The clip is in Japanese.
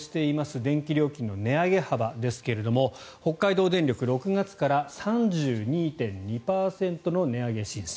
電気料金の値上げ幅ですが北海道電力、６月から３２．２％の値上げ申請。